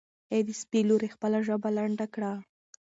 ای د سپي لورې خپله ژبه لنډه کړه.